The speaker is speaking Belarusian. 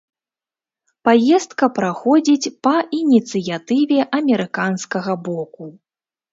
Паездка праходзіць па ініцыятыве амерыканскага боку.